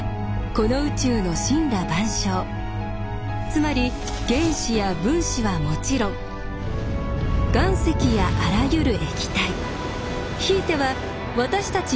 つまり原子や分子はもちろん岩石やあらゆる液体ひいては私たち